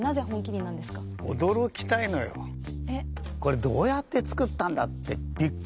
これどうやって作ったんだってびっくりする。